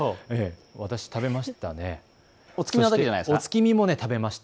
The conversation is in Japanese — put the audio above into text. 私は食べました。